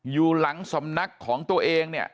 อยู่หลังสำนักของตัวเอง